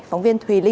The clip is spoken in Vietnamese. phóng viên thùy linh